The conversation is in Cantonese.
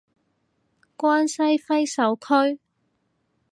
關西揮手區